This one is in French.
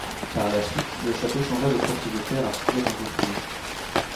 Par la suite, le château changea de propriétaires à plusieurs reprises.